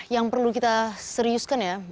yang perlu kita seriuskan ya